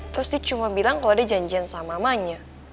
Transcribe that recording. terus dia cuma bilang kalo dia janjian sama mamanya